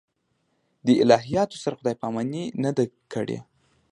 دې الهیاتو سره خدای پاماني نه ده کړې.